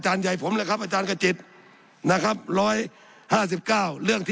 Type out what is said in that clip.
สับขาหลอกกันไปสับขาหลอกกันไปสับขาหลอกกันไป